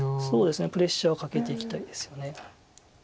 プレッシャーをかけていきたいですよね。